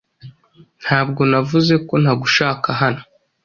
Ntabwo navuze ko ntagushaka hano.